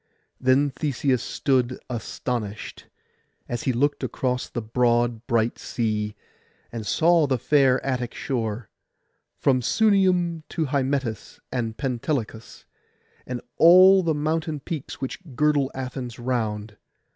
Then Theseus stood astonished, as he looked across the broad bright sea, and saw the fair Attic shore, from Sunium to Hymettus and Pentelicus, and all the mountain peaks which girdle Athens round.